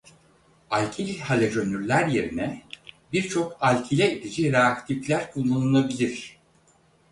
Alkil halojenürler yerine birçok alkile edici reaktifler kullanılabilir.